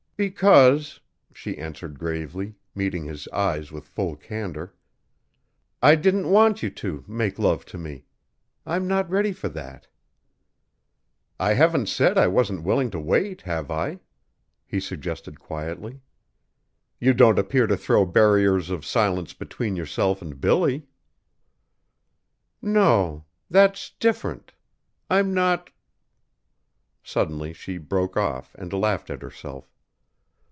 "Because," she answered gravely, meeting his eyes with full candor, "I didn't want you to make love to me. I'm not ready for that." "I haven't said I wasn't willing to wait, have I?" he suggested quietly. "You don't appear to throw barriers of silence between yourself and Billy." "No. That's different.... I'm not " Suddenly she broke off and laughed at herself.